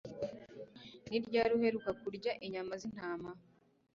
Ni ryari uheruka kurya inyama zintama